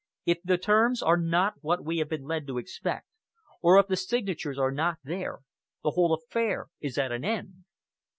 "If the terms are not what we have been led to expect, or if the signatures are not there, the whole affair is at an end."